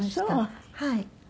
はい。